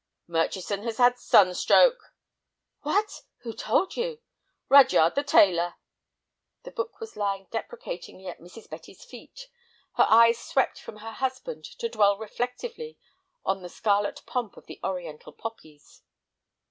"Murchison has had a sunstroke." "What! Who told you?" "Rudyard, the tailor." The book was lying deprecatingly at Mrs. Betty's feet. Her eyes swept from her husband to dwell reflectively on the scarlet pomp of the Oriental poppies.